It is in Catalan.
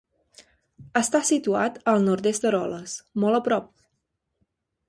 Està situat al nord-est d'Eroles, molt a prop.